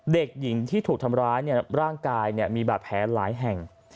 เด็กหญิงที่ถูกทำร้ายร่างกายมีบาดแผลหลายแห่ง